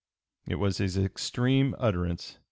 It was his extreme utterance.